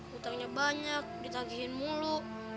hutangnya banyak ditagihan mulu